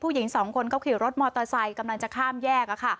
หญิงสองคนเขาขี่รถมอเตอร์ไซค์กำลังจะข้ามแยก